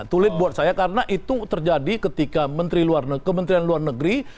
to lead buat saya karena itu terjadi ketika kementerian luar negeri